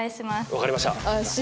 わかりました。